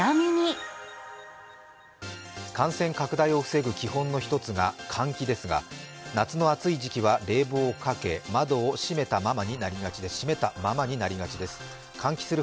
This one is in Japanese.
感染拡大を防ぐ基本の１つが換気ですが夏の暑い時期は冷房をかけ、窓を閉めたままになりがちです。